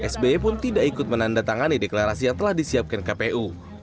sby pun tidak ikut menandatangani deklarasi yang telah disiapkan kpu